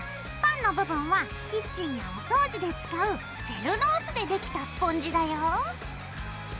パンの部分はキッチンやお掃除で使うセルロースでできたスポンジだよ。